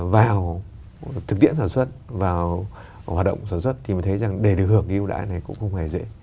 vào thực tiễn sản xuất vào hoạt động sản xuất thì mình thấy rằng để được hưởng cái ưu đãi này cũng không hề dễ